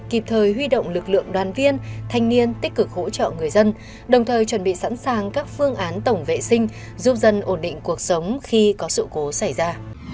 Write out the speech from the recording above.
kịp thời huy động lực lượng đoàn viên thanh niên tích cực hỗ trợ người dân đồng thời chuẩn bị sẵn sàng các phương án tổng vệ sinh giúp dân ổn định cuộc sống khi có sự cố xảy ra